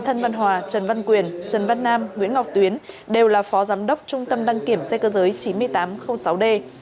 thân văn hòa trần văn quyền trần văn nam nguyễn ngọc tuyến đều là phó giám đốc trung tâm đăng kiểm xe cơ giới chín nghìn tám trăm linh sáu d